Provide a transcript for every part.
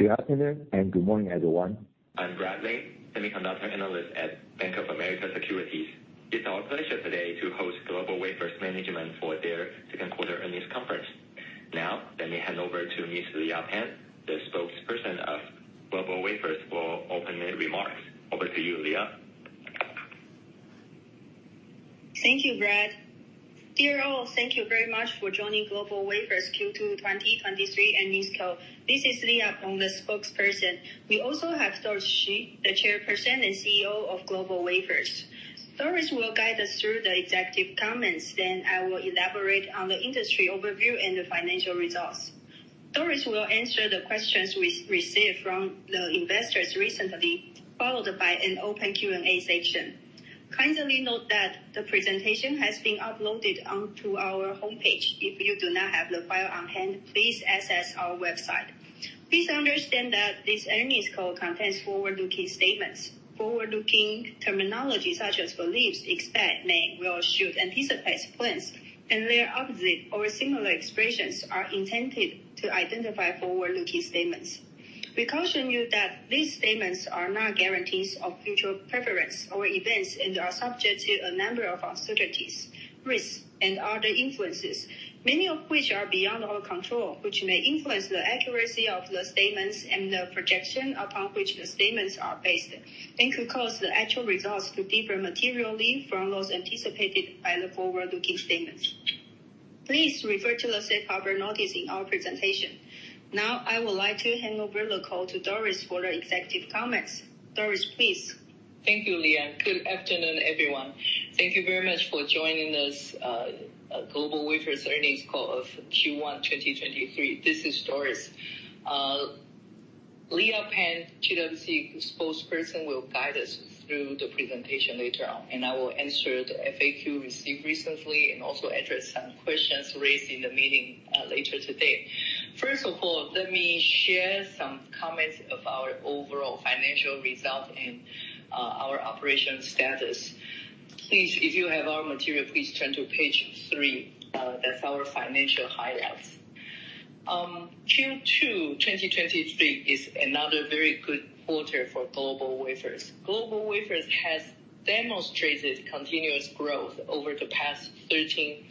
Good afternoon, and good morning, everyone. I'm Brad Lin, Semiconductor Analyst at Bank of America Securities. It's our pleasure today to host GlobalWafers management for their Second Quarter Earnings Conference. Now, let me hand over to Ms. Leah Peng, the spokesperson of GlobalWafers, for opening remarks. Over to you, Leah. Thank you, Brad. Dear all, thank you very much for joining GlobalWafers Q2 2023 Earnings Call. This is Leah Peng, the spokesperson. We also have Doris Hsu, the Chairperson and CEO of GlobalWafers. Doris will guide us through the executive comments. I will elaborate on the industry overview and the financial results. Doris will answer the questions we received from the investors recently, followed by an open Q&A session. Kindly note that the presentation has been uploaded onto our homepage. If you do not have the file on hand, please access our website. Please understand that this earnings call contains forward-looking statements. Forward-looking terminology such as believes, expect, may, will, should, anticipate, plans, and their opposite or similar expressions are intended to identify forward-looking statements. We caution you that these statements are not guarantees of future performance or events and are subject to a number of uncertainties, risks, and other influences, many of which are beyond our control, which may influence the accuracy of the statements and the projection upon which the statements are based and could cause the actual results to differ materially from those anticipated by the forward-looking statements. Please refer to the safe harbor notice in our presentation. Now, I would like to hand over the call to Doris for the executive comments. Doris, please. Thank you, Lea. Good afternoon, everyone. Thank you very much for joining this GlobalWafers Earnings Call of Q1 2023. This is Doris. Leah Peng, GWC spokesperson, will guide us through the presentation later on, and I will answer the FAQ received recently and also address some questions raised in the meeting later today. First of all, let me share some comments of our overall financial results and our operation status. Please, if you have our material, please turn to page 3. That's our financial highlights. Q2 2023 is another very good quarter for GlobalWafers. GlobalWafers has demonstrated continuous growth over the past 13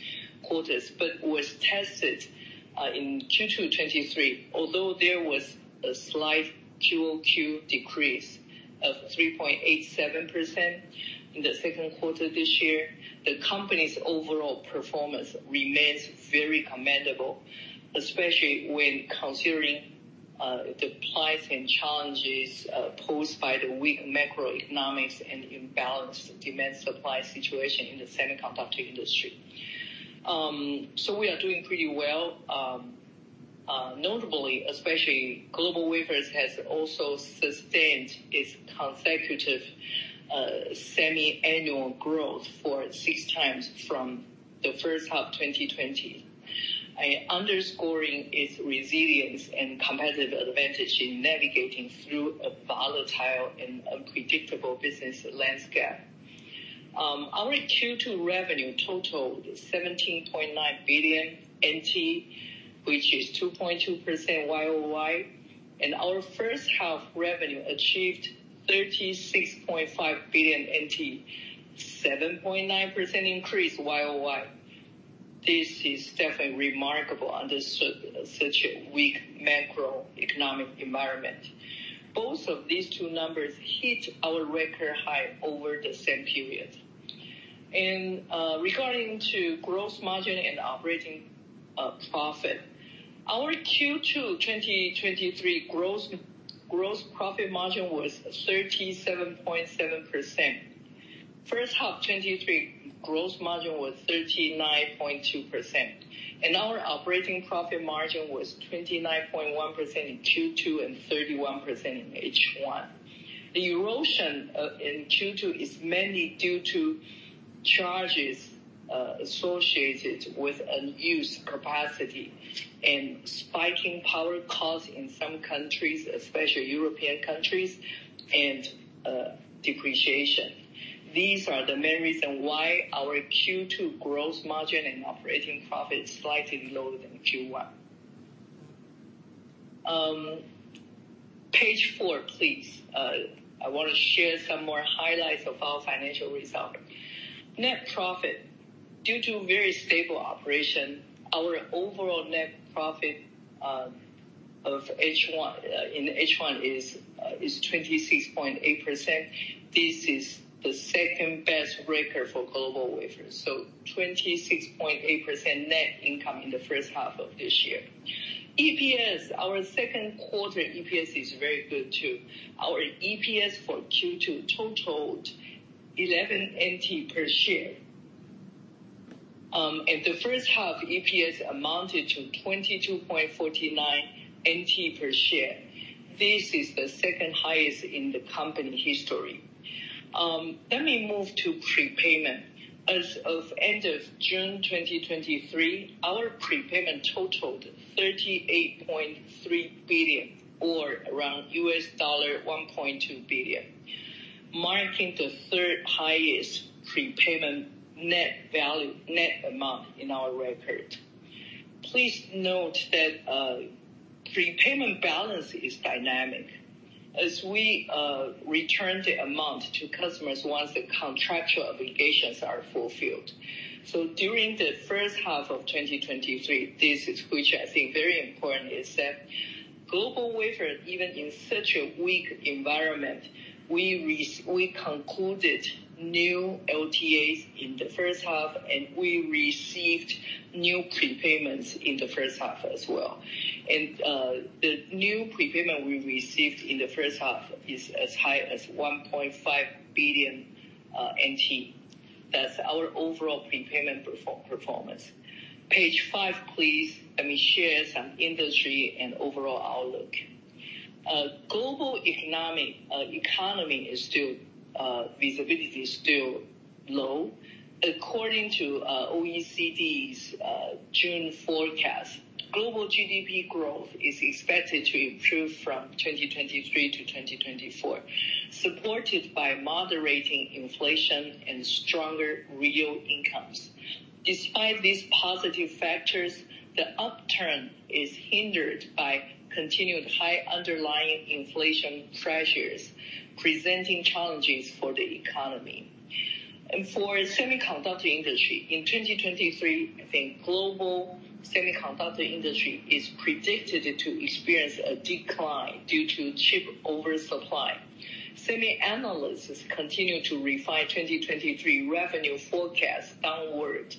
quarters, but was tested in Q2 2023. Although there was a slight QoQ decrease of 3.87% in the second quarter this year, the company's overall performance remains very commendable, especially when considering the plights and challenges posed by the weak macroeconomics and imbalanced demand-supply situation in the semiconductor industry. We are doing pretty well. Notably, especially GlobalWafers has also sustained its consecutive semi-annual growth for six times from the first half 2020, underscoring its resilience and competitive advantage in navigating through a volatile and unpredictable business landscape. Our Q2 revenue totaled NT$17.9 billion, which is 2.2% YoY, and our first half revenue achieved NT$36.5 billion, 7.9% increase YoY. This is definitely remarkable under such a weak macroeconomic environment. Both of these two numbers hit our record high over the same period. Regarding to gross margin and operating profit, our Q2 2023 gross profit margin was 37.7%. First half 2023 gross margin was 39.2%, and our operating profit margin was 29.1% in Q2, and 31% in H1. The erosion in Q2 is mainly due to charges associated with unused capacity and spiking power costs in some countries, especially European countries, and depreciation. These are the main reason why our Q2 gross margin and operating profit is slightly lower than Q1. Page 4, please. I want to share some more highlights of our financial result. Net profit. Due to very stable operation, our overall net profit of H1 in H1 is 26.8%. This is the 2nd best record for GlobalWafers, so 26.8% net income in the 1st half of this year. EPS, our 2nd quarter EPS is very good, too. Our EPS for Q2 totaled NT$11 per share, and the 1st half EPS amounted to NT$22.49 per share. This is the 2nd highest in the company history. Let me move to prepayment. As of end of June 2023, our prepayment totaled NT$38.3 billion, or around NT$1.2 billion, marking the 3rd highest prepayment net value, net amount in our record. Please note that prepayment balance is dynamic as we return the amount to customers once the contractual obligations are fulfilled. During the first half of 2023, this is, which I think very important, is that GlobalWafers, even in such a weak environment, we concluded new LTAs in the first half, and we received new prepayments in the first half as well. The new prepayment we received in the first half is as high as NT$1.5 billion. That's our overall prepayment performance. Page 5, please. Let me share some industry and overall outlook. Global economic economy is still, visibility is still low. According to OECD's June forecast, global GDP growth is expected to improve from 2023 to 2024, supported by moderating inflation and stronger real incomes. Despite these positive factors, the upturn is hindered by continued high underlying inflation pressures, presenting challenges for the economy. For semiconductor industry, in 2023, global semiconductor industry is predicted to experience a decline due to chip oversupply. SEMI analysts continue to refine 2023 revenue forecast downward,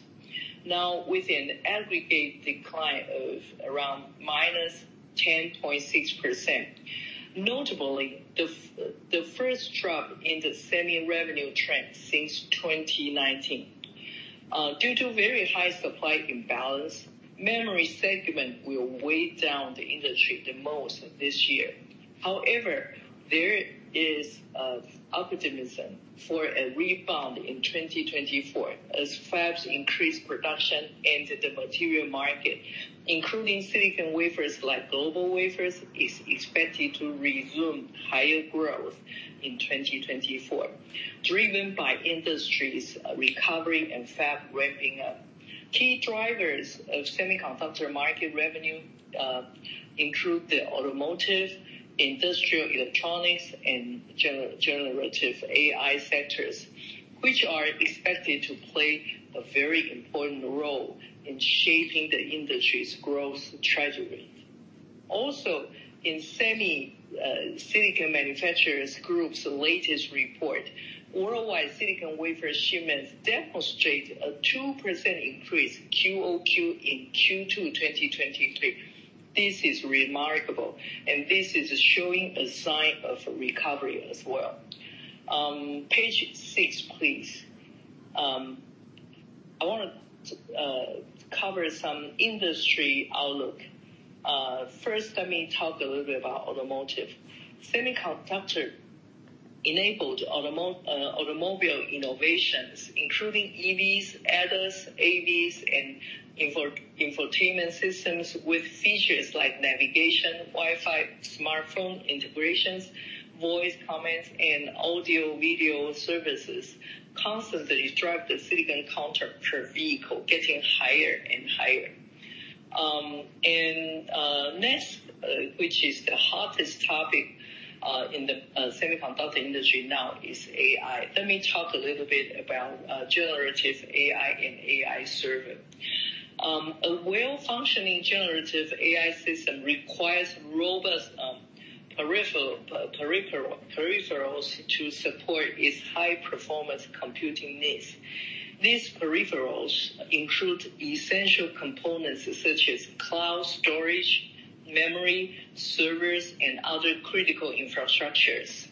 now with an aggregate decline of around -10.6%. Notably, the first drop in the SEMI revenue trend since 2019. Due to very high supply imbalance, memory segment will weigh down the industry the most this year. However, there is optimism for a rebound in 2024 as fabs increase production and the material market, including silicon wafers like GlobalWafers, is expected to resume higher growth in 2024, driven by industries recovering and fab ramping up. Key drivers of semiconductor market revenue include the automotive, industrial electronics, and generative AI sectors, which are expected to play a very important role in shaping the industry's growth trajectory. Also, in SEMI Silicon Manufacturers Group's latest report, worldwide silicon wafer shipments demonstrate a 2% increase QoQ in Q2 2023. This is remarkable, this is showing a sign of recovery as well. Page 6, please. I want to cover some industry outlook. First, let me talk a little bit about automotive. Semiconductor-enabled automobile innovations, including EVs, ADAS, AVs, and infotainment systems with features like navigation, Wi-Fi, smartphone integrations, voice commands, and audio-video services, constantly drive the silicon content per vehicle, getting higher and higher. Next, which is the hottest topic in the semiconductor industry now, is AI. Let me talk a little bit about generative AI and AI server. A well-functioning generative AI system requires robust, peripheral, peripheral, peripherals to support its high-performance computing needs. These peripherals include essential components such as cloud storage, memory, servers, and other critical infrastructures.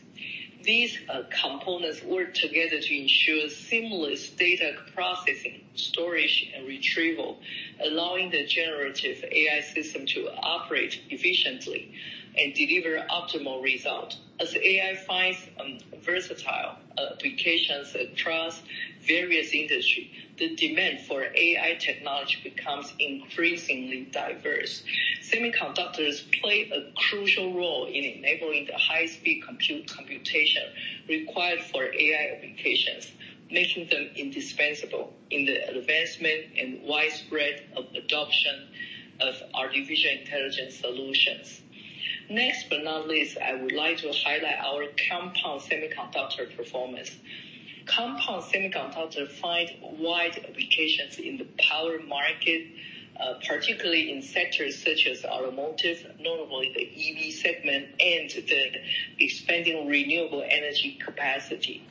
These components work together to ensure seamless data processing, storage, and retrieval, allowing the generative AI system to operate efficiently and deliver optimal results. As AI finds versatile applications across various industries, the demand for AI technology becomes increasingly diverse. Semiconductors play a crucial role in enabling the high-speed compute, computation required for AI applications, making them indispensable in the advancement and widespread of adoption of artificial intelligence solutions. Next, but not least, I would like to highlight our compound semiconductor performance. Compound semiconductor find wide applications in the power market, particularly in sectors such as automotive, notably the EV segment and the expanding renewable energy capacity.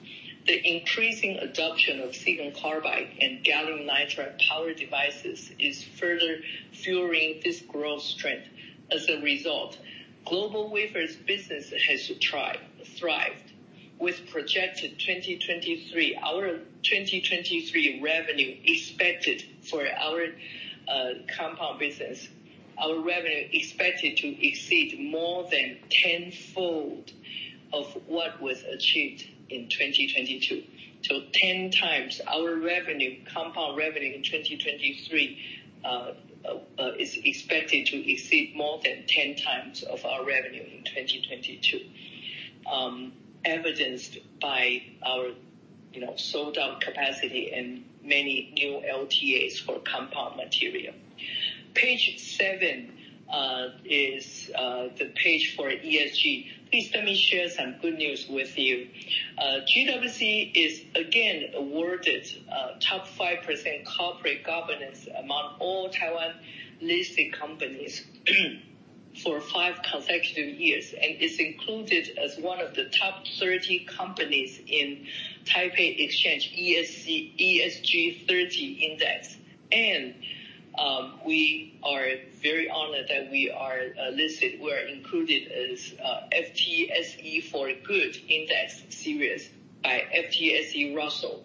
The increasing adoption of silicon carbide and gallium nitride power devices is further fueling this growth strength. As a result, GlobalWafers' business has thrive, thrived, with projected 2023 our 2023 revenue expected for our compound business, our revenue expected to exceed more than tenfold of what was achieved in 2022. So 10x our revenue, compound revenue in 2023, is expected to exceed more than 10x of our revenue in 2022. Evidenced by our, you know, sold out capacity and many new LTAs for compound material. Page 7 is the page for ESG. Please let me share some good news with you. GWC is again awarded top 5% corporate governance among all Taiwan-listed companies for five consecutive years, and is included as one of the top 30 companies in Taipei Exchange ESG 30 Index. We are very honored that we are listed-- we are included as FTSE4Good Index Series by FTSE Russell,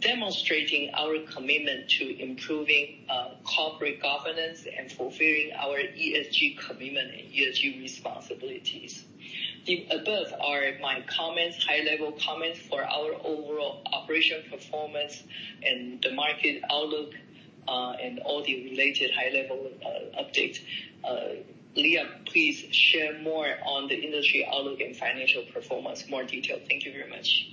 demonstrating our commitment to improving corporate governance and fulfilling our ESG commitment and ESG responsibilities. The above are my comments, high-level comments, for our overall operation performance and the market outlook, and all the related high-level updates. Leah, please share more on the industry outlook and financial performance, more detail. Thank you very much.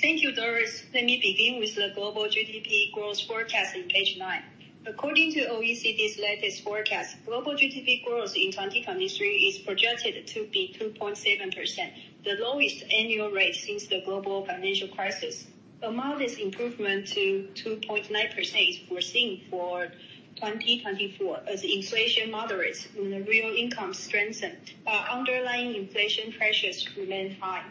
Thank you, Doris. Let me begin with the global GDP growth forecast in page 9. According to OECD's latest forecast, global GDP growth in 2023 is projected to be 2.7%, the lowest annual rate since the global financial crisis. A modest improvement to 2.9% is foreseen for 2024 as inflation moderates and the real income strengthen, but underlying inflation pressures remain high.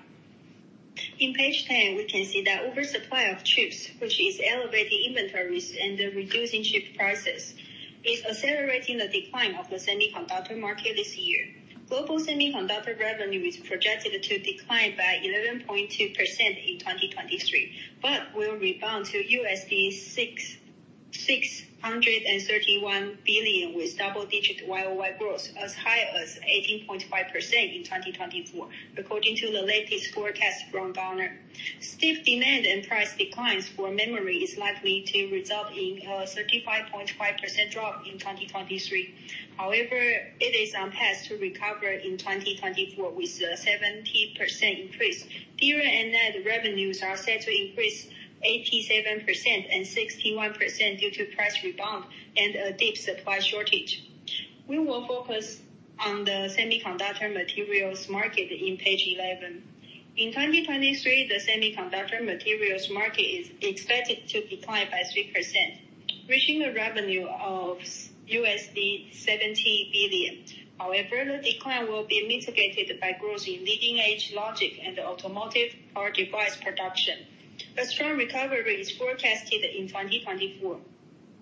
In page 10, we can see that oversupply of chips, which is elevating inventories and then reducing chip prices, is accelerating the decline of the semiconductor market this year. Global semiconductor revenue is projected to decline by 11.2% in 2023, but will rebound to $631 billion, with double-digit YoY growth as high as 18.5% in 2024, according to the latest forecast from Gartner. Steep demand and price declines for memory is likely to result in a 35.5% drop in 2023. It is on path to recover in 2024, with a 70% increase. DRAM and NAND revenues are set to increase 87% and 61% due to price rebound and a deep supply shortage. We will focus on the semiconductor materials market in page 11. In 2023, the semiconductor materials market is expected to decline by 3%, reaching a revenue of $70 billion. The decline will be mitigated by growth in leading-edge logic and automotive power device production. A strong recovery is forecasted in 2024,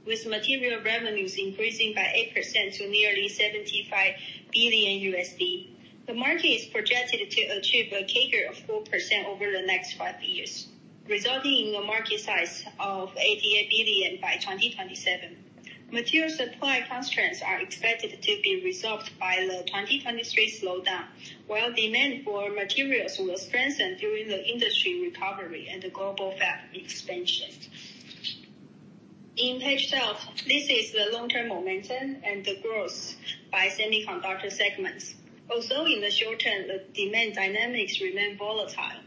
with material revenues increasing by 8% to nearly $75 billion. The market is projected to achieve a CAGR of 4% over the next 5 years, resulting in a market size of $88 billion by 2027. Material supply constraints are expected to be resolved by the 2023 slowdown, while demand for materials will strengthen during the industry recovery and the global fab expansion. In page 12, this is the long-term momentum and the growth by semiconductor segments. In the short term, the demand dynamics remain volatile.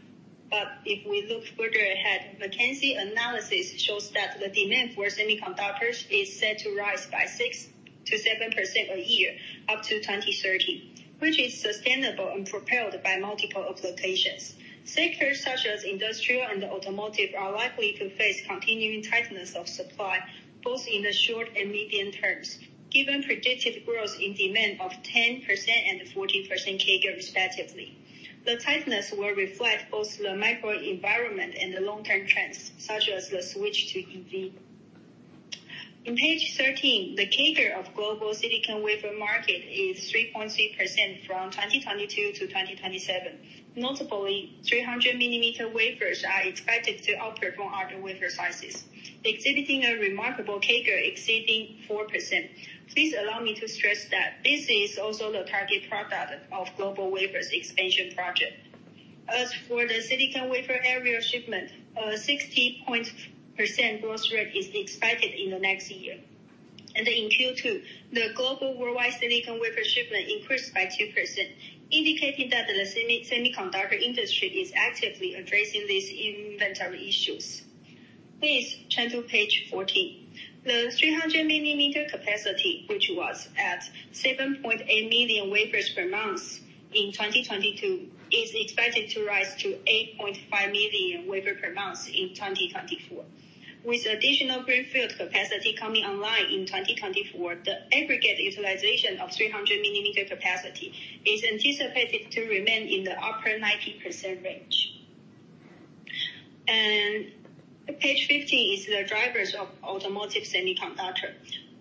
If we look further ahead, McKinsey analysis shows that the demand for semiconductors is set to rise by 6%-7% a year up to 2030, which is sustainable and propelled by multiple applications. Sectors such as industrial and automotive are likely to face continuing tightness of supply, both in the short and medium terms, given predicted growth in demand of 10% and 14% CAGR, respectively. The tightness will reflect both the microenvironment and the long-term trends, such as the switch to EV. In page 13, the CAGR of global silicon wafer market is 3.3% from 2022 to 2027. Notably, 300 millimeter wafers are expected to outperform other wafer sizes, exhibiting a remarkable CAGR exceeding 4%. Please allow me to stress that this is also the target product of GlobalWafers expansion project. As for the silicon wafer area shipment, 60% growth rate is expected in the next year. In Q2, the global worldwide silicon wafer shipment increased by 2%, indicating that the semiconductor industry is actively addressing these inventory issues. Please turn to page 14. The 300 millimeter capacity, which was at 7.8 million wafers per month in 2022, is expected to rise to 8.5 million wafer per month in 2024. With additional greenfield capacity coming online in 2024, the aggregate utilization of 300 millimeter capacity is anticipated to remain in the upper 90% range. Page 15 is the drivers of automotive semiconductor.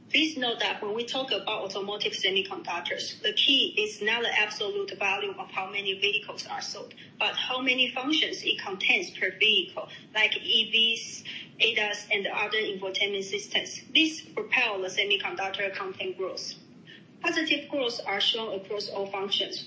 Please note that when we talk about automotive semiconductors, the key is not the absolute value of how many vehicles are sold, but how many functions it contains per vehicle, like EVs, ADAS, and other infotainment systems. These propel the semiconductor content growth. Positive growth are shown across all functions.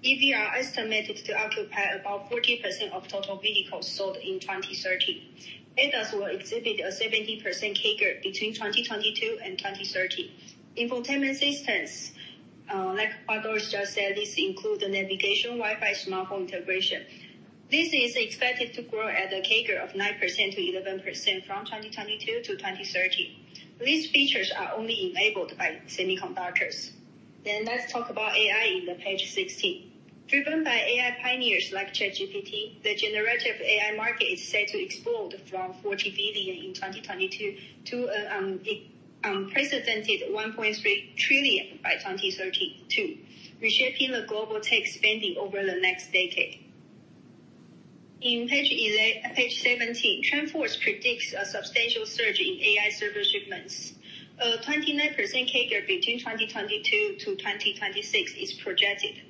For example, EV are estimated to occupy about 40% of total vehicles sold in 2030. ADAS will exhibit a 70% CAGR between 2022 and 2030. Infotainment systems, like Paul George just said, this include the navigation, Wi-Fi, smartphone integration. This is expected to grow at a CAGR of 9%-11% from 2022 to 2030. These features are only enabled by semiconductors. Let's talk about AI in the page 16. Driven by AI pioneers like ChatGPT, the generative AI market is set to explode from $40 billion in 2022 to an unprecedented $1.3 trillion by 2032, reshaping the global tech spending over the next decade. In page 17, TrendForce predicts a substantial surge in AI server shipments. A 29% CAGR between 2022 to 2026 is projected.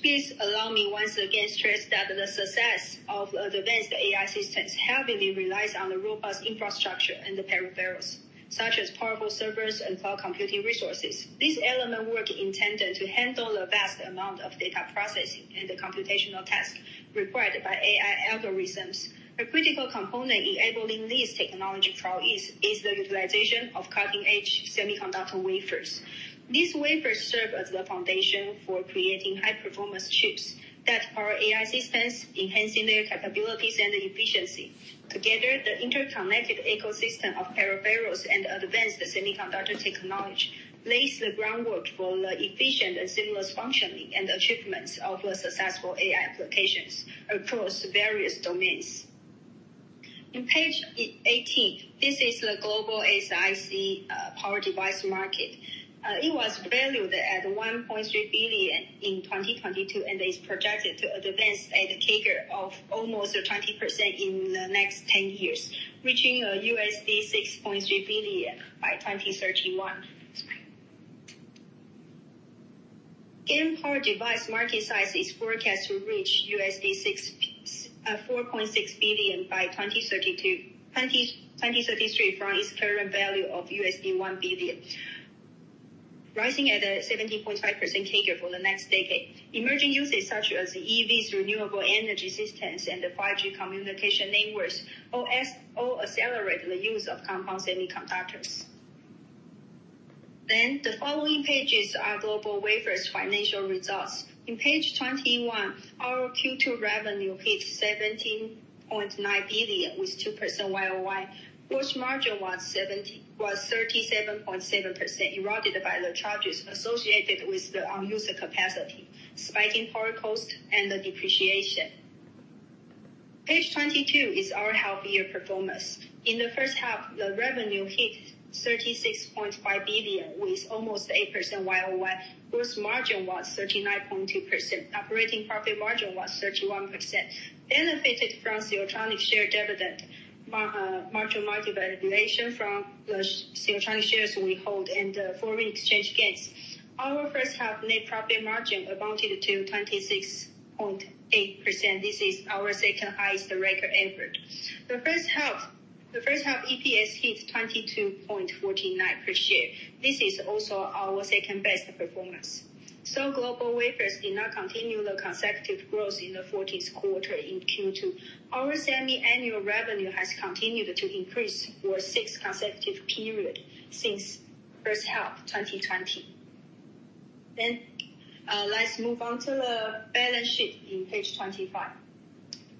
Please allow me once again stress that the success of advanced AI systems heavily relies on the robust infrastructure and the peripherals, such as powerful servers and cloud computing resources. These elements work in tandem to handle the vast amount of data processing and the computational tasks required by AI algorithms. A critical component enabling these technology prowess is the utilization of cutting-edge semiconductor wafers. These wafers serve as the foundation for creating high-performance chips that power AI systems, enhancing their capabilities and efficiency. Together, the interconnected ecosystem of peripherals and advanced semiconductor technology lays the groundwork for the efficient and seamless functioning and achievements of the successful AI applications across various domains. In page 18, this is the global ASIC power device market. It was valued at $1.3 billion in 2022 and is projected to advance at a CAGR of almost 20% in the next 10 years, reaching $6.3 billion by 2031. GaN power device market size is forecast to reach $6... $4.6 billion by 2032, 2033 from its current value of $1 billion, rising at a 17.5% CAGR for the next decade. Emerging uses such as EVs, renewable energy systems, and the 5G communication networks all accelerate the use of compound semiconductors. The following pages are GlobalWafers' financial results. In page 21, our Q2 revenue hit $17.9 billion, with 2% YoY. Gross margin was 37.7%, eroded by the charges associated with the unused capacity, spiking power cost, and the depreciation. Page 22 is our half year performance. In the first half, the revenue hit $36.5 billion, with almost 8% YoY. Gross margin was 39.2%. Operating profit margin was 31%, benefited from Siltronic share dividend, marginal market valuation from the Siltronic shares we hold, and foreign exchange gains. Our first half net profit margin amounted to 26.8%. This is our second highest record ever. The first half EPS hits NT$22.49 per share. This is also our second-best performance. GlobalWafers did not continue the consecutive growth in the 14th quarter in Q2. Our semi-annual revenue has continued to increase for six consecutive period since first half 2020. Let's move on to the balance sheet in page 25,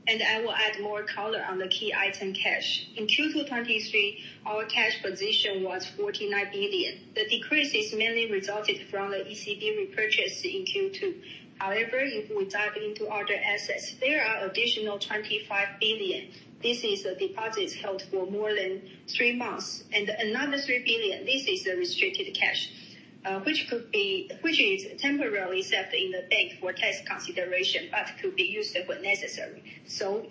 and I will add more color on the key item, cash. In Q2 2023, our cash position was NT$49 billion. The decrease is mainly resulted from the ECB repurchase in Q2. If we dive into other assets, there are additional NT$25 billion. This is the deposits held for more than three months. Another NT$3 billion, this is the restricted cash, which is temporarily saved in the bank for tax consideration, but could be used when necessary.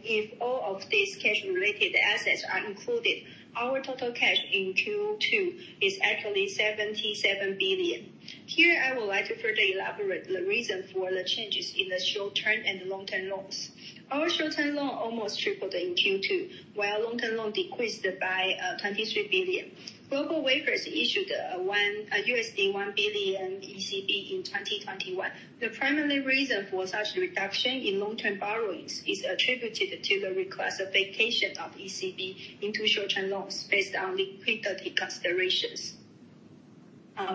If all of these cash-related assets are included, our total cash in Q2 is actually NT$77 billion. Here, I would like to further elaborate the reason for the changes in the short-term and long-term loans. Our short-term loan almost tripled in Q2, while long-term loan decreased by NT$23 billion. GlobalWafers issued a NT$1 billion ECB in 2021. The primary reason for such reduction in long-term borrowings is attributed to the reclassification of ECB into short-term loans based on liquidity considerations.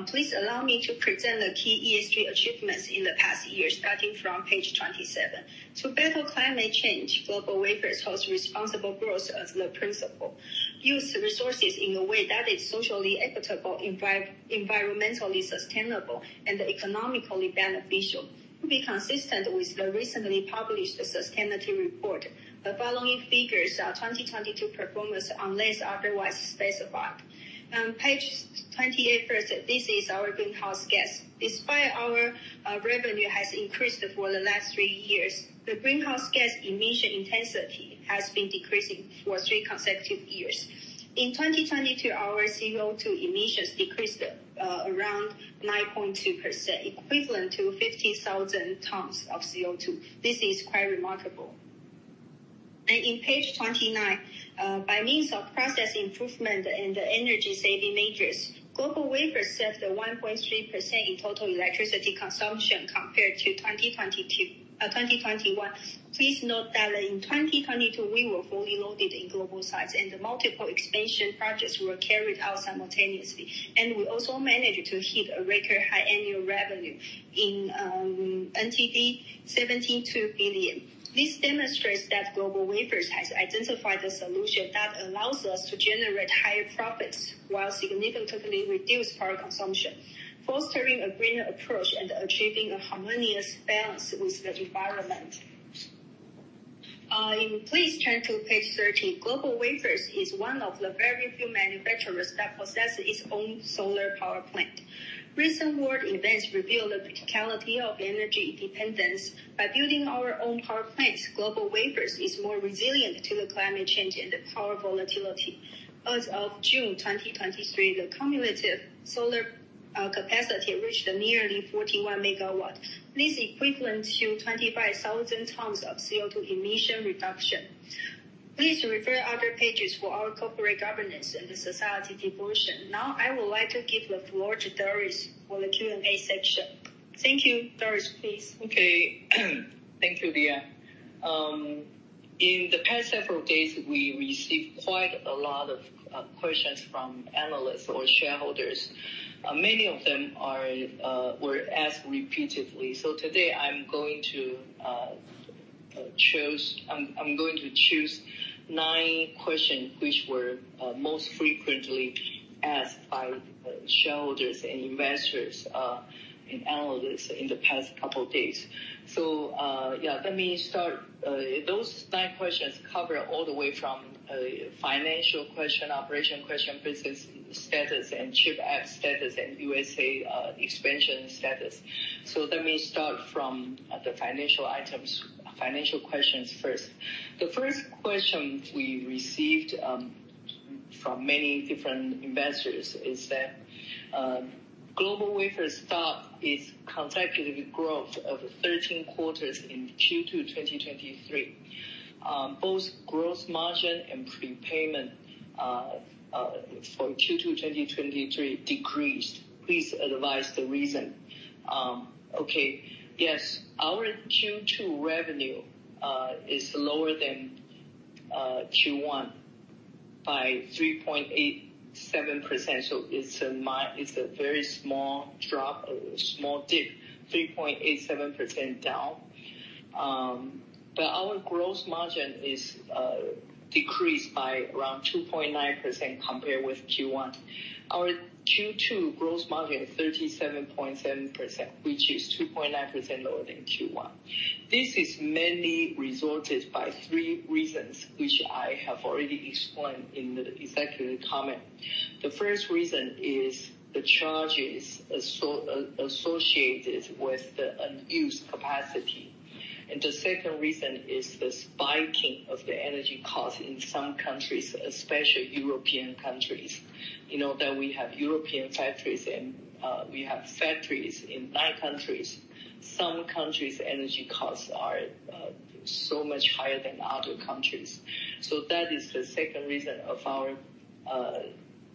Please allow me to present the key ESG achievements in the past year, starting from page 27. To battle climate change, GlobalWafers holds responsible growth as the principle, use resources in a way that is socially equitable, environmentally sustainable, and economically beneficial. To be consistent with the recently published sustainability report, the following figures are 2022 performance, unless otherwise specified. On page 28 first, this is our greenhouse gas. Despite our revenue has increased for the last 3 years, the greenhouse gas emission intensity has been decreasing for 3 consecutive years. In 2022, our CO2 emissions decreased around 9.2%, equivalent to 50,000 tons of CO2. This is quite remarkable. In page 29, by means of process improvement and energy saving measures, GlobalWafers saved 1.3% in total electricity consumption compared to 2022, 2021. Please note that in 2022, we were fully loaded in global sites, multiple expansion projects were carried out simultaneously. We also managed to hit a record high annual revenue in NT$17.2 billion. This demonstrates that GlobalWafers has identified the solution that allows us to generate higher profits while significantly reduce power consumption, fostering a greener approach and achieving a harmonious balance with the environment. Please turn to page 13. GlobalWafers is one of the very few manufacturers that possess its own solar power plant. Recent world events reveal the criticality of energy independence. By building our own power plants, GlobalWafers is more resilient to the climate change and the power volatility. As of June 2023, the cumulative solar capacity reached nearly 41 MW. This equivalent to 25,000 tons of CO2 emission reduction. Please refer other pages for our corporate governance and the society devotion. Now, I would like to give the floor to Doris for the Q&A section. Thank you. Doris, please. Okay. Thank you, Leah. In the past several days, we received quite a lot of questions from analysts or shareholders. Many of them were asked repeatedly. Today, I'm going to choose nine questions, which were most frequently asked by shareholders and investors and analysts in the past couple of days. Yeah, let me start. Those nine questions cover all the way from financial question, operation question, business status, and chip status, and USA expansion status. Let me start from the financial items, financial questions first. The first question we received from many different investors is that GlobalWafers stock is consecutive growth of 13 quarters in Q2 2023. Both gross margin and prepayment for Q2 2023 decreased. Please advise the reason? Okay. Yes, our Q2 revenue is lower than Q1 by 3.87%. It's a very small drop, a small dip, 3.87% down. Our gross margin is decreased by around 2.9% compared with Q1. Our Q2 gross margin is 37.7%, which is 2.9% lower than Q1. This is mainly resulted by three reasons, which I have already explained in the executive comment. The first reason is the charges associated with the unused capacity. The second reason is the spiking of the energy costs in some countries, especially European countries. You know that we have European factories and we have factories in nine countries. Some countries, energy costs are so much higher than other countries. That is the second reason of our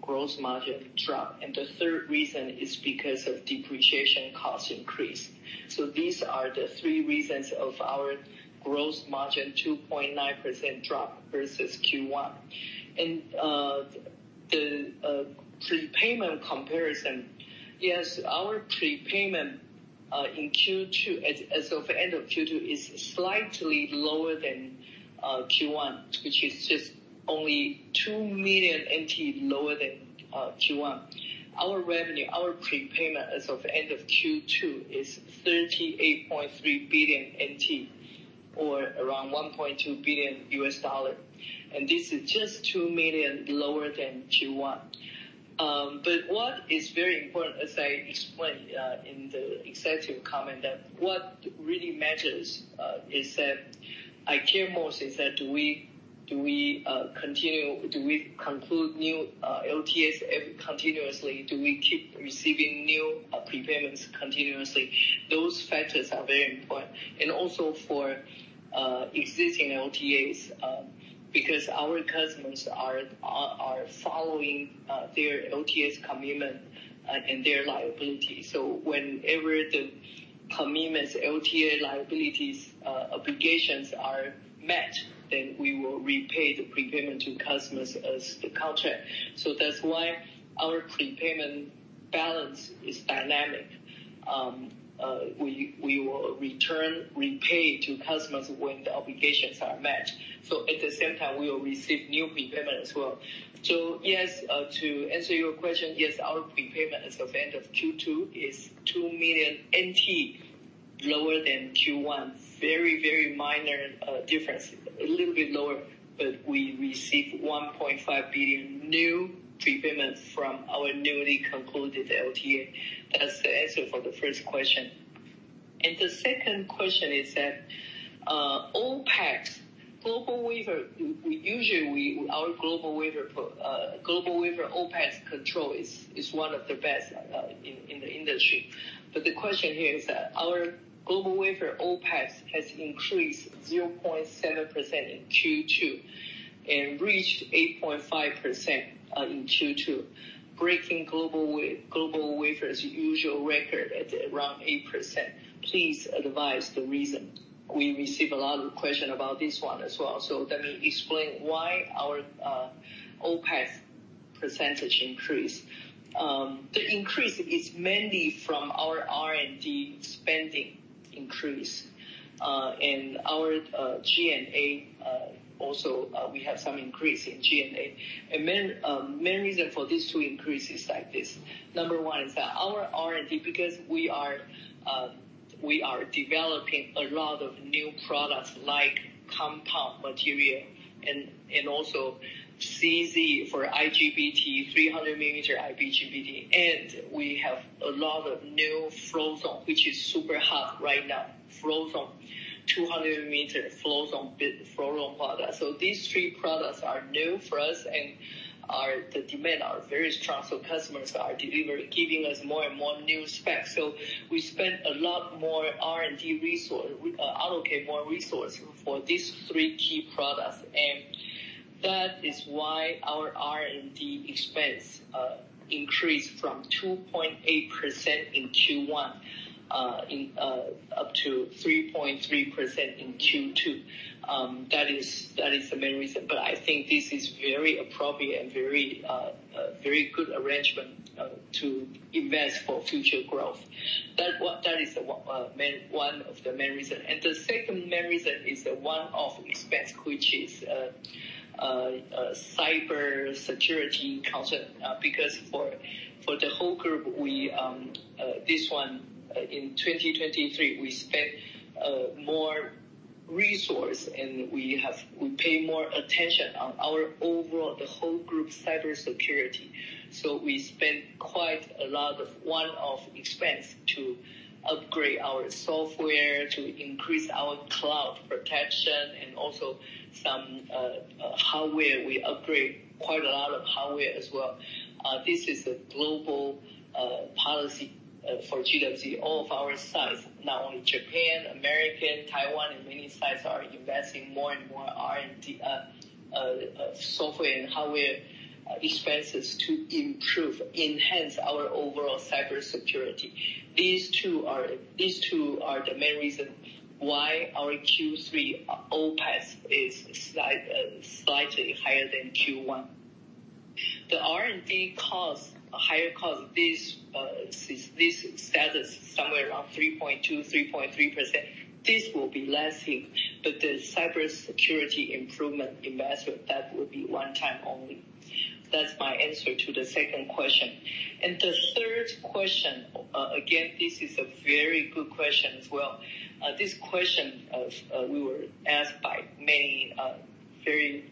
gross margin drop. The third reason is because of depreciation cost increase. These are the three reasons of our gross margin, 2.9% drop versus Q1. The prepayment comparison. Yes, our prepayment in Q2, as of end of Q2, is slightly lower than Q1, which is just only NT$2 million lower than Q1. Our revenue, our prepayment as of end of Q2, is NT$38.3 billion, or around NT$1.2 billion. This is just NT$2 million lower than Q1. What is very important, as I explained in the executive comment, that what really matters is that I care most, is that do we, do we conclude new LTAs continuously? Do we keep receiving new prepayments continuously? Those factors are very important and also for existing LTAs, because our customers are following their LTAs commitment and their liability. Whenever the commitments, LTA liabilities, obligations are met, then we will repay the prepayment to customers as the contract. That's why our prepayment balance is dynamic. We will return, repay to customers when the obligations are met. At the same time, we will receive new prepayment as well. Yes, to answer your question, yes, our prepayment as of end of Q2 is NT$2 million, lower than Q1. Very, very minor difference, a little bit lower, but we received NT$1.5 billion new prepayment from our newly concluded LTA. That's the answer for the first question. The second question is that OpEx. GlobalWafers, we usually our GlobalWafers, GlobalWafers OpEx control is, is one of the best in the industry. The question here is that GlobalWafers' OpEx has increased 0.7% in Q2 and reached 8.5% in Q2, breaking GlobalWafers' usual record at around 8%. Please advise the reason. We receive a lot of questions about this one as well, so let me explain why our OpEx percentage increased. The increase is mainly from our R&D spending increase, and our G&A also, we have some increase in G&A. The main reason for these two increases like this, number one is that our R&D, because we are developing a lot of new products like compound material and also CZ for IGBT, 300 millimeter IGBT, and we have a lot of new Float-zone, which is super hot right now. flow zone, 200 millimeter Float-zone, bit flow product. These three products are new for us and the demand are very strong, so customers are giving us more and more new specs. We spent a lot more R&D resource, allocate more resource for these three key products, and that is why our R&D expense increased from 2.8% in Q1 up to 3.3% in Q2. That is, that is the main reason. I think this is very appropriate and very good arrangement to invest for future growth. That what, that is the one main, one of the main reasons. The second main reason is the one-off expense, which is cyber security concern, because for, for the whole group, we, this one, in 2023, we spent more resource, and we have, we pay more attention on our overall, the whole group cybersecurity. We spent quite a lot of one-off expense to upgrade our software, to increase our cloud protection and also some hardware. We upgrade quite a lot of hardware as well. This is a global policy for GWC. All of our sites, not only Japan, American, Taiwan, and many sites, are investing more and more R&D software and hardware expenses to improve, enhance our overall cybersecurity. These two are the main reason why our Q3 OpEx is slightly higher than Q1. The R&D cost, higher cost, this status somewhere around 3.2%-3.3%. This will be lasting, but the cybersecurity improvement investment, that will be one time only. That's my answer to the second question. The third question, again, this is a very good question as well. This question of, we were asked by many very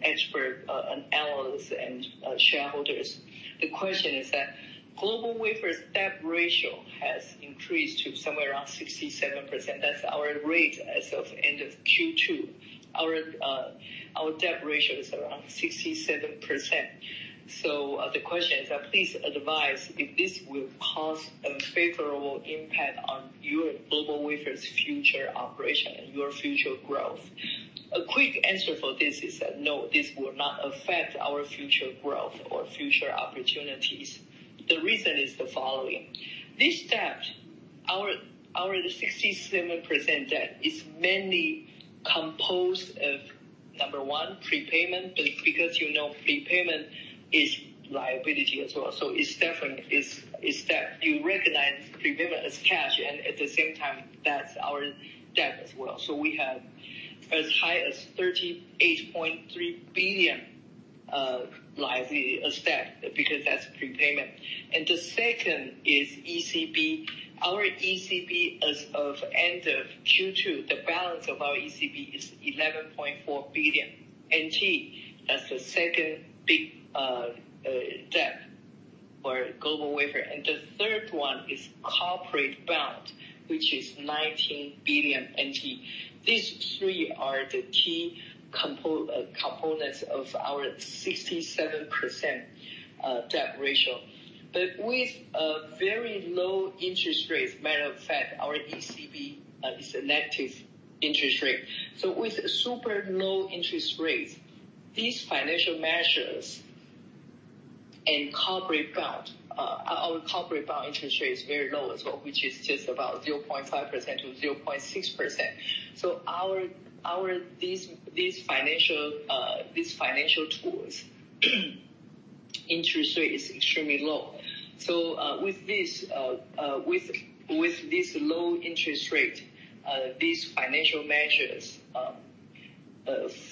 expert and analysts and shareholders. The question is that: GlobalWafers' debt ratio has increased to somewhere around 67%. That's our rate as of end of Q2. Our, our debt ratio is around 67%. The question is: Please advise if this will cause a favorable impact on your GlobalWafers' future operation and your future growth. A quick answer for this is that, no, this will not affect our future growth or future opportunities. The reason is the following. This debt, our, our 67% debt is mainly composed of, number one, prepayment, but because, you know, prepayment is liability as well. It's definitely, it's, it's debt. You recognize prepayment as cash, and at the same time, that's our debt as well. We have as high as NT$38.3 billion liability as debt because that's prepayment. The second is ECB. Our ECB as of end of Q2, the balance of our ECB is NT$11.4 billion. That's the second big debt for GlobalWafers. The third one is corporate bond, which is NT$19 billion. These three are the key components of our 67% debt ratio, but with a very low interest rate. Matter of fact, our ECB is a negative interest rate. With super low interest rates, these financial measures and corporate bond, our corporate bond interest rate is very low as well, which is just about 0.5%-0.6%. These financial tools, interest rate is extremely low. With this low interest rate, these financial measures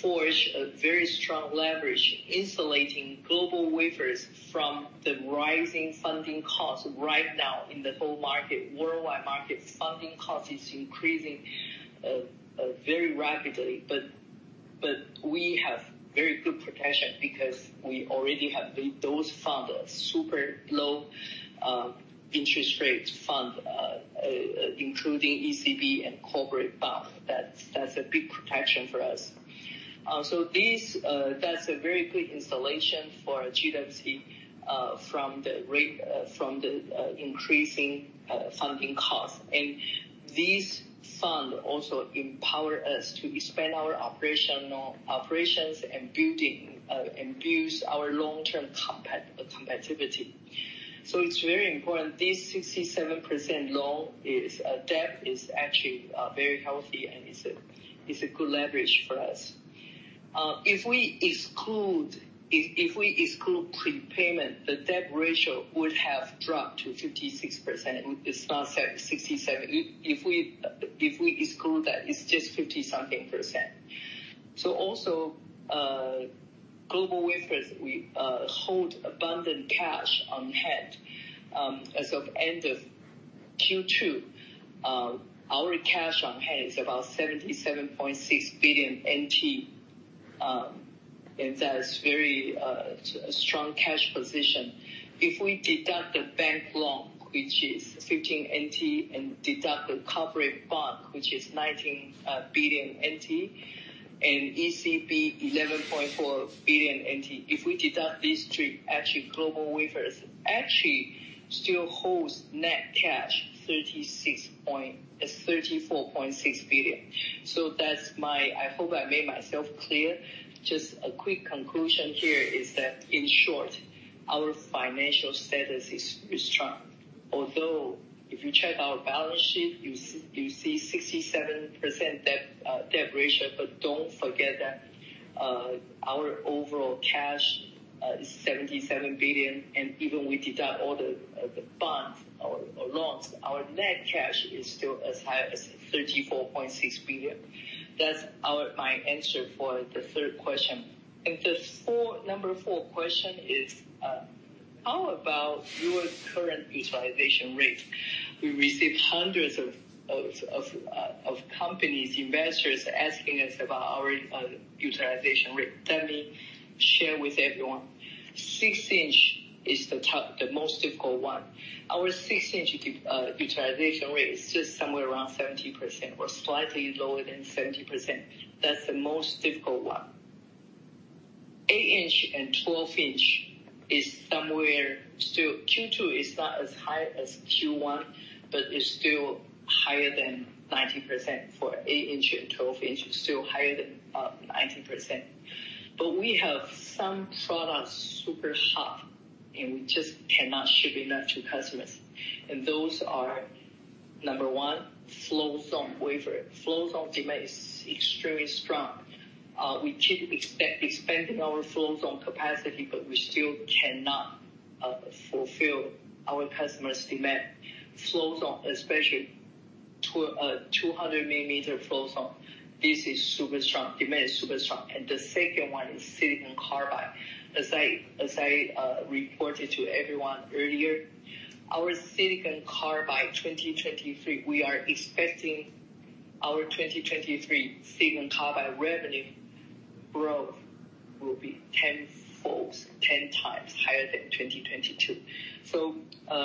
forge a very strong leverage, insulating GlobalWafers from the rising funding costs right now in the whole market. Worldwide market funding cost is increasing very rapidly, but, but we have very good protection because we already have those funds, super low interest rates fund, including ECB and corporate bond. That's, that's a big protection for us. So this, that's a very good insulation for GWC from the rate, from the increasing funding cost. This fund also empower us to expand our operational operations and building and boost our long-term competitivity. It's very important, this 67% loan is debt is actually very healthy, and it's a, it's a good leverage for us. If we exclude, if, if we exclude prepayment, the debt ratio would have dropped to 56%. It's not 67%. If, if we, if we exclude that, it's just 50 something percent. Also, GlobalWafers, we hold abundant cash on hand. As of end of Q2, our cash on hand is about NT$7.6 billion. That is very strong cash position. If we deduct the bank loan, which is NT$15 billion, and deduct the corporate bond, which is NT$19 billion, and ECB NT$11.4 billion. If we deduct these three, actually, GlobalWafers actually still holds net cash NT$34.6 billion. That's my-- I hope I made myself clear. Just a quick conclusion here is that, in short, our financial status is, is strong. Although if you check our balance sheet, you see, you see 67% debt, debt ratio, but don't forget that our overall cash is NT$77 billion, and even we deduct all the bonds or loans, our net cash is still as high as NT$34.6 billion. That's our, my answer for the third question. The 4, number 4 question is: How about your current utilization rate? We received hundreds of companies, investors, asking us about our utilization rate. Let me share with everyone. 6 inch is the top, the most difficult one. Our 6 inch utilization rate is just somewhere around 70% or slightly lower than 70%. That's the most difficult one. 8 inch and 12 inch is somewhere, still, Q2 is not as high as Q1, but is still higher than 90%. For 8 inch and 12 inch, it's still higher than 90%. We have some products super hot, and we just cannot ship enough to customers. Those are, number one, Float-zone wafer. Float-zone demand is extremely strong. We keep expanding our Float-zone capacity, but we still cannot fulfill our customer's demand. Float-zone, especially 200 millimeter Float-zone, this is super strong. Demand is super strong. The second one is silicon carbide. As I, as I reported to everyone earlier, our silicon carbide 2023, we are expecting our 2023 silicon carbide revenue growth will be 10-folds, 10x higher than 2022.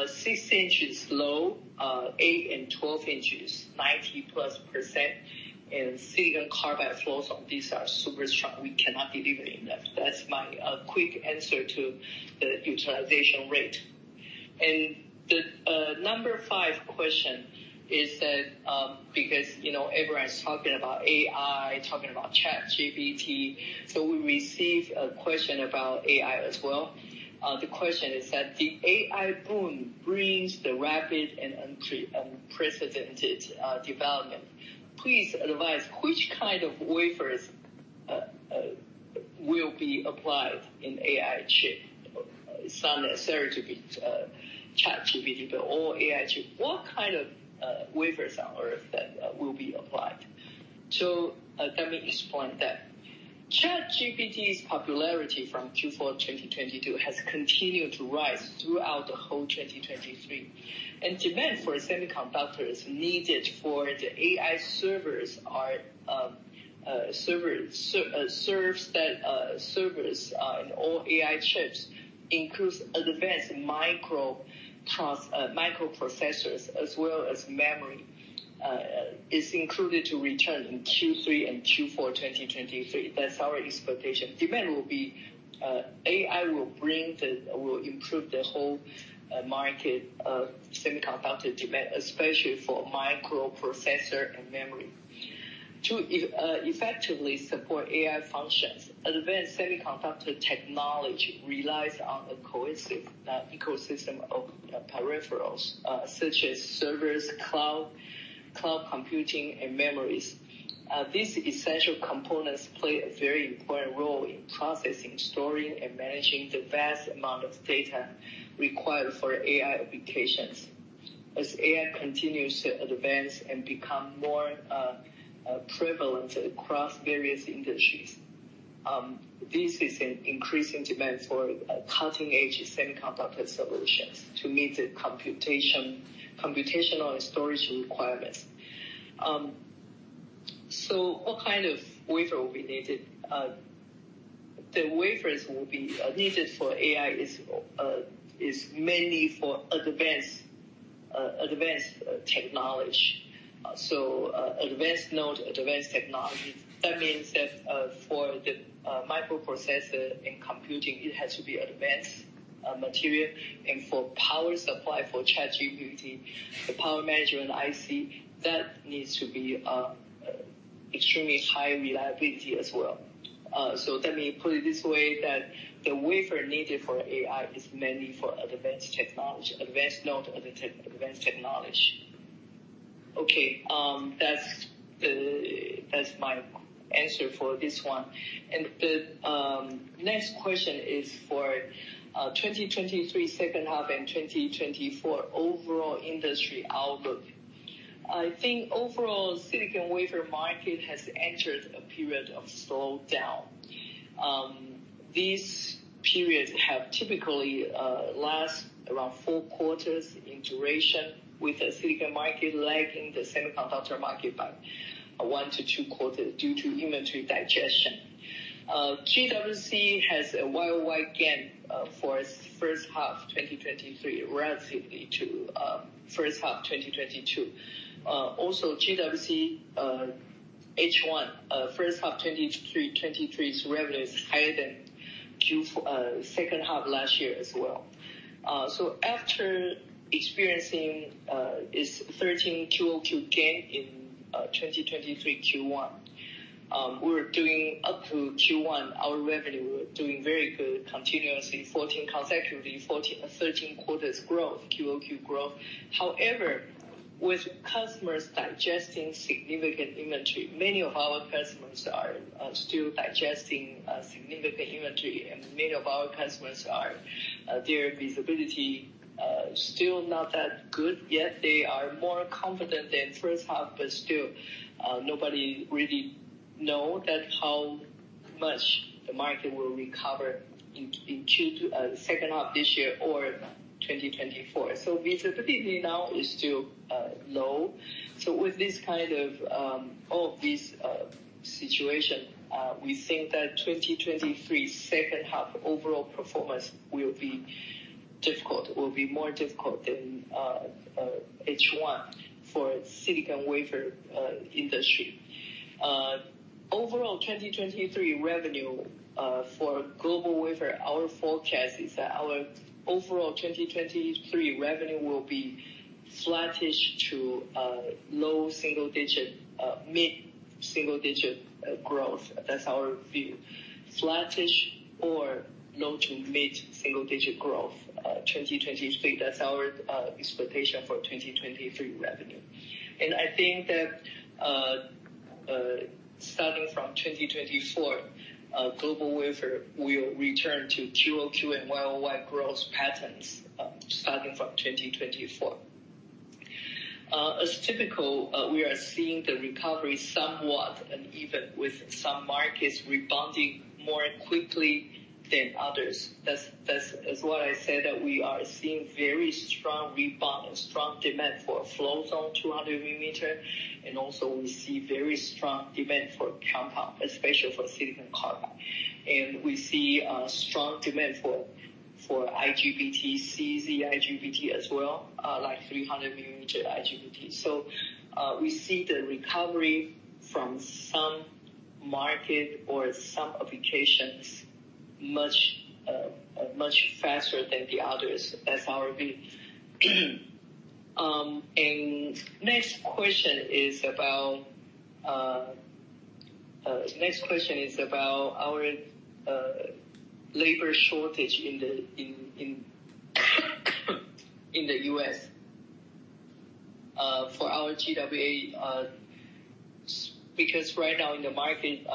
6 inches low, 8 and 12 inches, 90+%, and silicon carbide Float-zone, these are super strong. We cannot deliver enough. That's my quick answer to the utilization rate. The number 5 question is that, because, you know, everyone's talking about AI, talking about ChatGPT, so we received a question about AI as well. The question is that, "The AI boom brings the rapid and unprecedented, development. Please advise which kind of wafers will be applied in AI chip?" It's not necessary to be ChatGPT, but all AI chip. What kind of wafers on earth that will be applied? Let me explain that. ChatGPT's popularity from Q4 2022 has continued to rise throughout the whole 2023, and demand for semiconductors needed for the AI servers are serves that servers and all AI chips includes advanced microprocessors as well as memory, is included to return in Q3 and Q4 2023. That's our expectation. Demand will be, AI will bring the, will improve the whole market, semiconductor demand, especially for microprocessor and memory. To effectively support AI functions, advanced semiconductor technology relies on a coecic ecosystem of peripherals, such as servers, cloud, cloud computing, and memories. These essential components play a very important role in processing, storing, and managing the vast amount of data required for AI applications. As AI continues to advance and become more prevalent across various industries, this is an increasing demand for cutting-edge semiconductor solutions to meet the computation, computational and storage requirements. What kind of wafer will be needed? The wafers will be needed for AI is mainly for advanced, advanced technology. Advanced node, advanced technology. That means that for the microprocessor in computing, it has to be advanced material, and for power supply, for ChatGPT, the power management IC, that needs to be extremely high reliability as well. Let me put it this way, that the wafer needed for AI is mainly for advanced technology. Advanced node, advan-advanced technology. Okay, that's the, that's my answer for this one. The next question is for 2023 second half and 2024 overall industry outlook. I think overall, silicon wafer market has entered a period of slowdown. These periods have typically last around 4 quarters in duration, with the silicon market lagging the semiconductor market by 1-2 quarters due to inventory digestion. GWC has a YoY gain for its first half, 2023, relatively to first half, 2022. Also, GWC H1, first half, 2023's revenue is higher than Q4 second half last year as well. After experiencing this 13 QoQ gain in 2023 Q1, we're doing up to Q1, our revenue, we're doing very good, continuously, 14 consecutively, 14, 13 quarters growth, QoQ growth. With customers digesting significant inventory, many of our customers are still digesting significant inventory, and many of our customers are their visibility still not that good, yet they are more confident than first half, but still, nobody really know that how much the market will recover in 2 second half this year or 2024. Visibility now is still low. With this kind of, all of this situation, we think that 2023 second half overall performance will be difficult, will be more difficult than H1 for silicon wafer industry. Overall, 2023 revenue for GlobalWafers, our forecast is that our overall 2023 revenue will be flattish to low single-digit, mid-single-digit growth. That's our view. Flattish or low to mid-single-digit growth, 2023. That's our expectation for 2023 revenue. I think that starting from 2024, GlobalWafers will return to QoQ and YoY growth patterns, starting from 2024. As typical, we are seeing the recovery somewhat, and even with some markets rebounding more quickly than others. That's, that's, that's why I said that we are seeing very strong rebound and strong demand for Float-zone, 200 millimeter, and also we see very strong demand for compound, especially for silicon carbide. We see a strong demand for, for IGBT, CZ IGBT as well, like 300 millimeter IGBT. We see the recovery from some market or some applications much faster than the others. That's our view. Next question is about our labor shortage in the U.S., for our GWA. Right now in the market,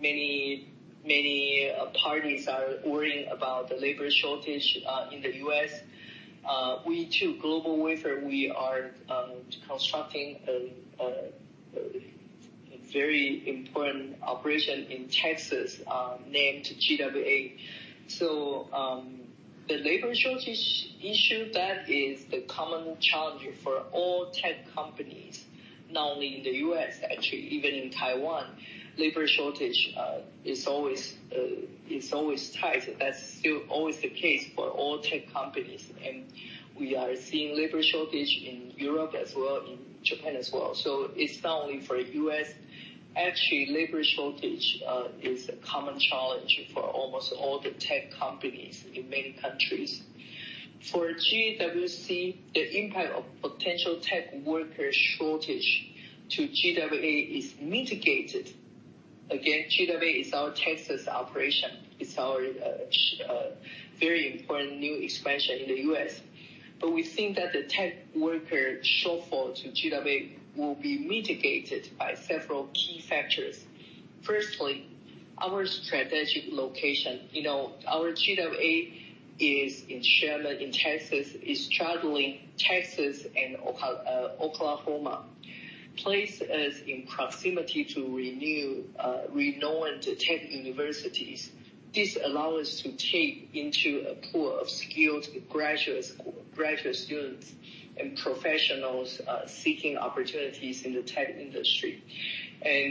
many, many parties are worrying about the labor shortage in the U.S. We too, GlobalWafers, we are constructing a very important operation in Texas, named GWA. The labor shortage issue, that is the common challenge for all tech companies, not only in the U.S., actually, even in Taiwan. Labor shortage is always tight. That's still always the case for all tech companies, we are seeing labor shortage in Europe as well, in Japan as well. It's not only for U.S. Actually, labor shortage is a common challenge for almost all the tech companies in many countries. For GWC, the impact of potential tech worker shortage to GWA is mitigated. Again, GWA is our Texas operation. It's our very important new expansion in the U.S. We think that the tech worker shortfall to GWA will be mitigated by several key factors. Firstly, our strategic location. You know, our GWA is in Sherman, in Texas, is straddling Texas and Oklahoma. Place us in proximity to renew renowned tech universities. This allow us to tape into a pool of skilled graduates, graduate students, and professionals seeking opportunities in the tech industry.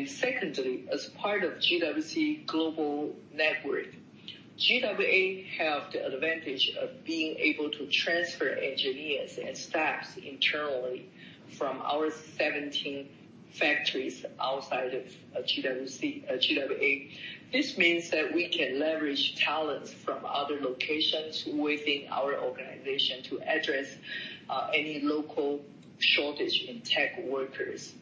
Secondly, as part of GWC global network, GWA have the advantage of being able to transfer engineers and staffs internally from our 17 factories outside of GWC GWA. This means that we can leverage talents from other locations within our organization to address any local shortage in tech workers.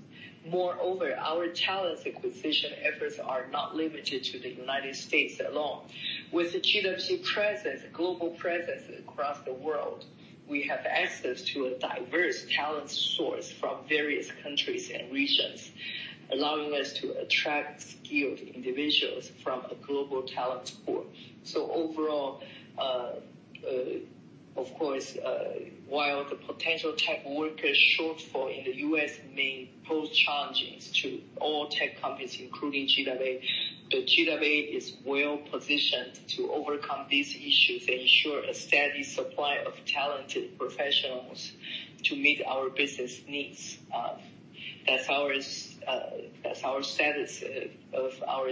Moreover, our talents acquisition efforts are not limited to the United States alone. With the GWC presence, global presence across the world, we have access to a diverse talent source from various countries and regions, allowing us to attract skilled individuals from a global talent pool. Overall, of course, while the potential tech workers shortfall in the U.S. may pose challenges to all tech companies, including GWA, GWA is well positioned to overcome these issues and ensure a steady supply of talented professionals to meet our business needs. That's ours, that's our status of, of our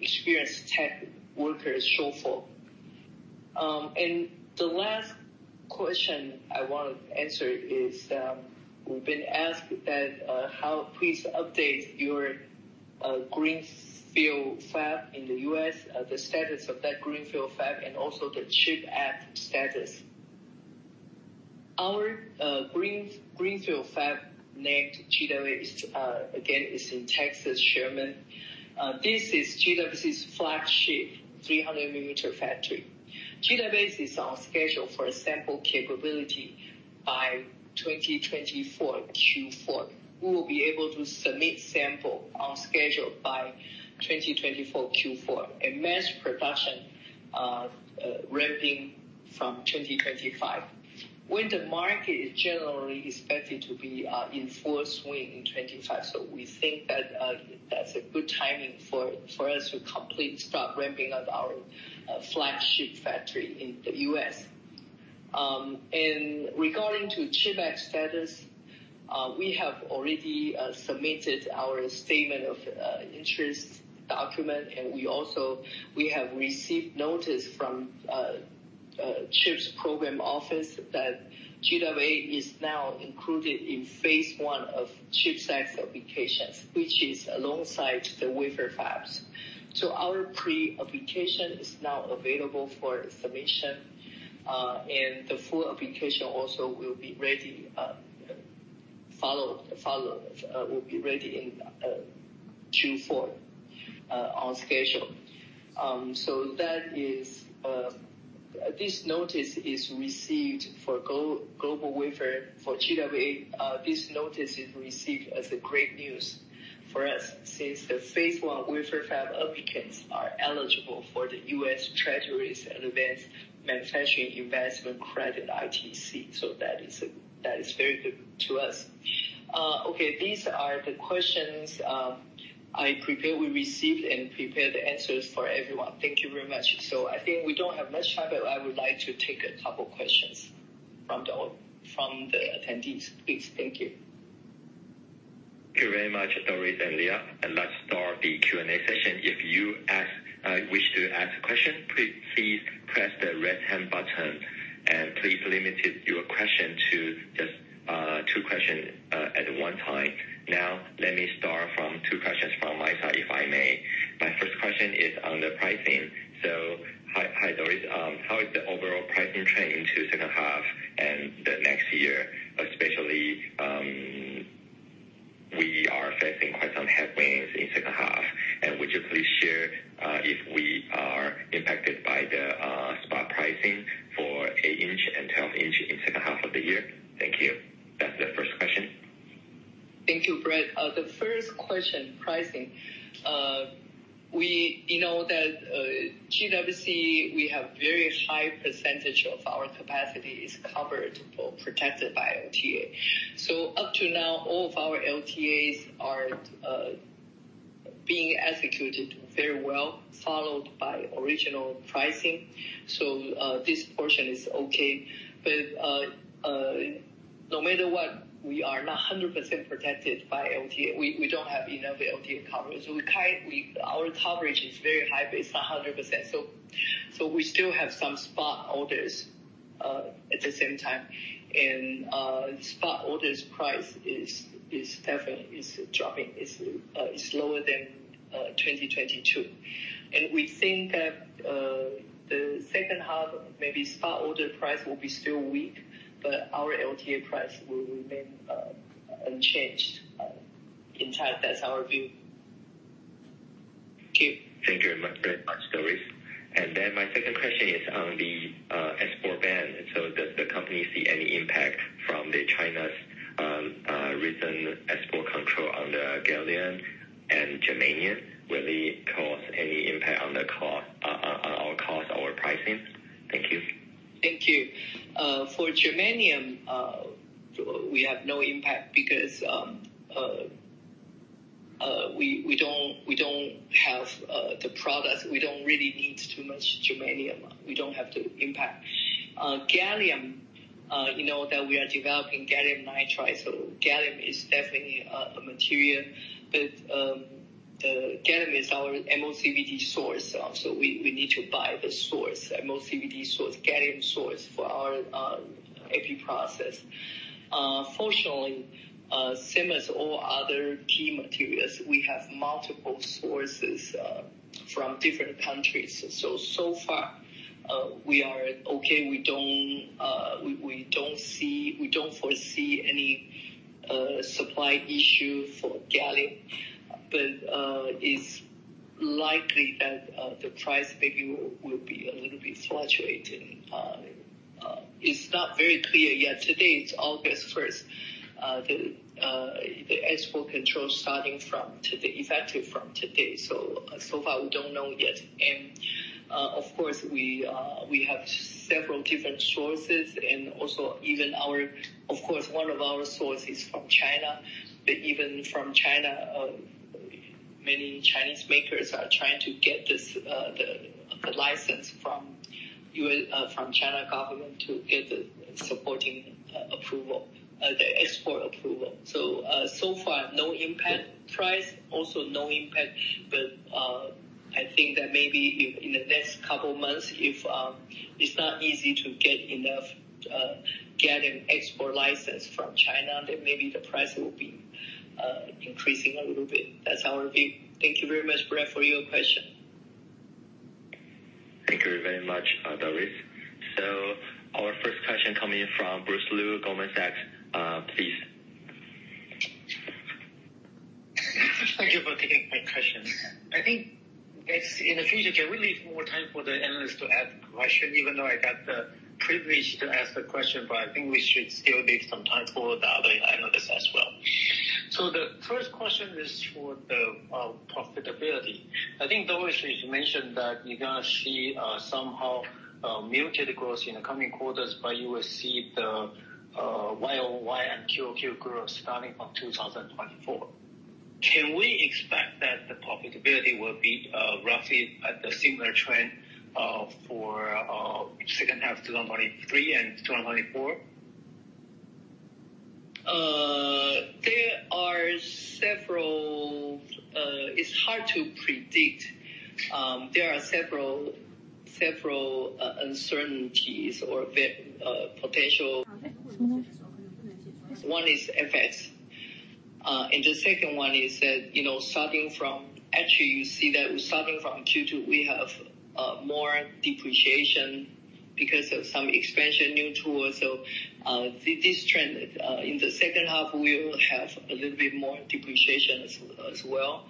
experienced tech workers shortfall. The last question I want to answer is, we've been asked that, "How... Please update your greenfield fab in the U.S., the status of that greenfield fab, and also the CHIPS Act status. Our greenfield fab, named GWA, is again, is in Texas, Sherman. This is GWC's flagship, 300 millimeter factory. GWA is on schedule for a sample capability by 2024, Q4. We will be able to submit sample on schedule by 2024, Q4, and mass production ramping from 2025, when the market is generally expected to be in full swing in 2025. We think that that's a good timing for, for us to complete start ramping up our flagship factory in the U.S. Regarding to CHIPS Act status, we have already submitted our statement of interest document, and we also, we have received notice from CHIPS Program Office that GWA is now included in phase one of CHIPS Act applications, which is alongside the wafer fabs. Our pre-application is now available for submission, and the full application also will be ready in Q4 on schedule. That is, this notice is received for GlobalWafers for GWA. This notice is received as a great news for us, since the phase one wafer fab applicants are eligible for the U.S. Treasures and Advanced Manufacturing Investment Credit, ITC. That is a, that is very good to us. Okay, these are the questions I prepared. We received and prepared the answers for everyone. Thank you very much. I think we don't have much time, but I would like to take a couple questions from the attendees, please. Thank you. Thank you very much, Doris and Leah, Let's start the Q&A session. If you wish to ask a question, please press the raise hand button and please limit your question to just two questions at one time. Let me start from two questions from my side, if I may. My first question is on the pricing. Hi, hi, Doris. How is the overall pricing trend into second half and the next year, especially, we are facing quite some headwinds in second half. Would you please share if we are impacted by the spot pricing for 8-inch and 12-inch in second half of the year? Thank you. That's the first question. Thank you, Brad. The first question, pricing. You know that GWC, we have very high % of our capacity is covered or protected by LTA. Up to now, all of our LTAs are being executed very well, followed by original pricing. This portion is okay, no matter what, we are not 100% protected by LTA. We, we don't have enough LTA coverage, Our coverage is very high, but it's not 100%. We still have some spot orders at the same time. Spot orders price is, is definitely, is dropping. It's, it's lower than 2022. We think that the second half, maybe spot order price will be still weak, but our LTA price will remain unchanged in time. That's our view. Thank you. Thank you very much, Doris. My second question is on the export ban. Does the company see any impact from the China's recent export control on the gallium and germanium? Will it cause any impact on the cost on our cost, our pricing? Thank you. Thank you. For germanium, we have no impact because we don't have the product. We don't really do too much germanium. We don't have to impact. Gallium, you know, that we are developing gallium nitride, so gallium is definitely a material. The gallium is our MOCVD source, so we need to buy the source, MOCVD source, gallium source for our EPI process. Fortunately, same as all other key materials, we have multiple sources from different countries. So far, we are okay. We don't foresee any supply issue for gallium, but it's likely that the price maybe will be a little bit fluctuating. It's not very clear yet. Today, it's August 1st, the, the export control starting from today, effective from today. So far, we don't know yet. Of course, we have several different sources and also even our... Of course, one of our source is from China. Even from China, many Chinese makers are trying to get this, the, the license from U.S.- from China government to get the supporting, approval, the export approval. So far, no impact. Price, also no impact, but I think that maybe in the next couple of months, if it's not easy to get enough, get an export license from China, then maybe the price will be increasing a little bit. That's our view. Thank you very much, Brad, for your question. Thank you very much, Doris. Our first question coming in from Bruce Lu, Goldman Sachs, please. Thank you for taking my question. I think as in the future, can we leave more time for the analysts to ask questions? Even though I got the privilege to ask the question, but I think we should still leave some time for the other analysts as well. The first question is for the profitability. I think, Doris, you mentioned that you're going to see somehow muted growth in the coming quarters, but you will see the YoY and QoQ growth starting from 2024. Can we expect that the profitability will be roughly at the similar trend for second half of 2023 and 2024? There are several. It's hard to predict. There are several, several uncertainties or potential. One is FX, and the second one is that, you know, you see that starting from Q2, we have more depreciation because of some expansion, new tools. This trend, in the second half, we will have a little bit more depreciation as well.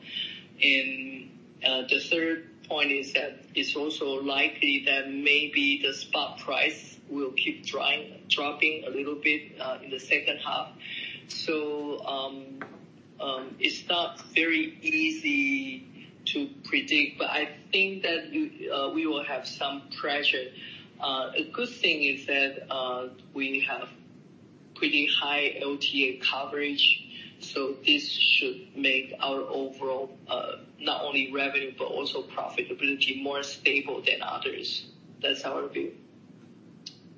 The third point is that it's also likely that maybe the spot price will keep dropping a little bit in the second half. It's not very easy to predict, but I think that you, we will have some pressure. A good thing is that we have pretty high LTA coverage, so this should make our overall, not only revenue, but also profitability, more stable than others. That's our view.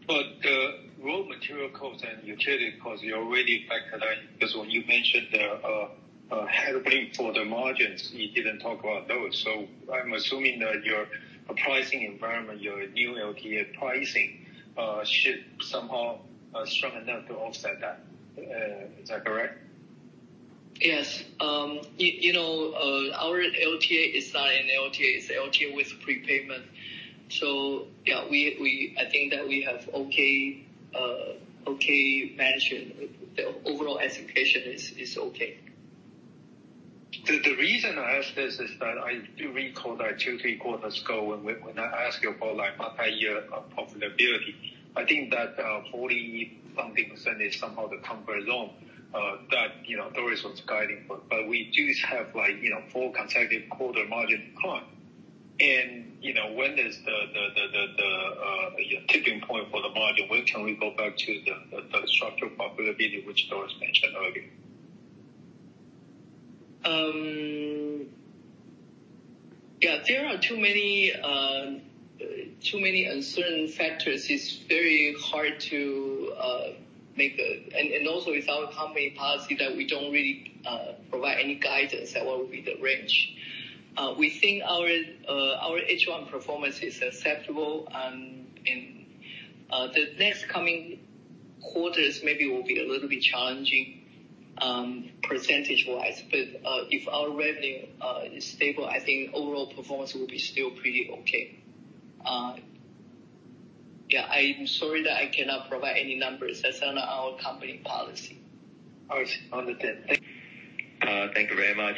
The raw material costs and utility costs, you already factor that in, because when you mentioned the headwind for the margins, you didn't talk about those. So I'm assuming that your pricing environment, your new LTA pricing should somehow strong enough to offset that. Is that correct? Yes. you know, our LTA is not an LTA, it's an LTA with prepayment. Yeah, I think that we have okay, okay, management. The overall execution is, is okay. The reason I ask this is that I do recall that 2, 3 quarters ago, when we, when I asked you about, like, multi-year profitability, I think that 40 something percent is somehow the comfort zone that, you know, Doris was guiding. We do have, like, you know, 4 consecutive quarter margin decline. When is the tipping point for the margin? When can we go back to the structural profitability, which Doris mentioned earlier? Yeah, there are too many, too many uncertain factors. It's very hard to make a... Also, it's our company policy that we don't really provide any guidance on what would be the range. We think our H1 performance is acceptable, and, the next coming quarters maybe will be a little bit challenging, percentage-wise. If our revenue is stable, I think overall performance will be still pretty okay. Yeah, I'm sorry that I cannot provide any numbers. That's not our company policy. All right. Understood. Thank you. Thank you very much.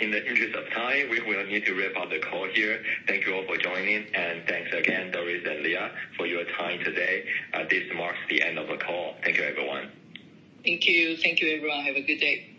In the interest of time, we will need to wrap up the call here. Thank you all for joining, and thanks again, Doris and Leah, for your time today. This marks the end of the call. Thank you, everyone. Thank you. Thank you, everyone. Have a good day.